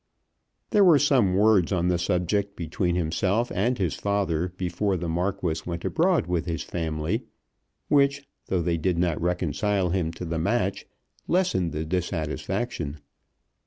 There were some words on the subject between himself and his father before the Marquis went abroad with his family, which, though they did not reconcile him to the match, lessened the dissatisfaction.